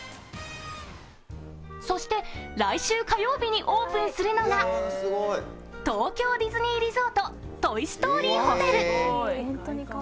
そして、来週火曜日にオープンするのが東京ディズニーリゾートトイ・ストーリーホテル。